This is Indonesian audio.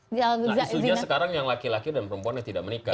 nah itu aja sekarang yang laki laki dan perempuan yang tidak menikah